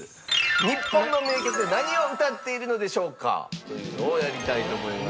日本の名曲何を歌っているのでしょうか？というのをやりたいと思います。